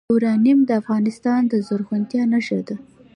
یورانیم د افغانستان د زرغونتیا نښه ده.